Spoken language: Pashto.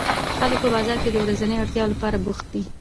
خلک په بازار کې د ورځنیو اړتیاوو لپاره بوخت دي